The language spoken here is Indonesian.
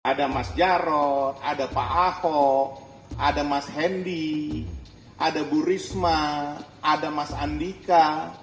ada mas jarod ada pak ahok ada mas hendy ada bu risma ada mas andika